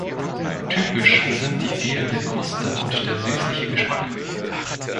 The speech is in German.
Typisch sind die fehlende Kruste und der süßliche Geschmack.